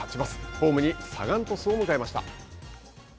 ホームにサガン鳥栖を迎えました。